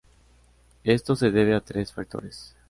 Esto se debe a tres factores.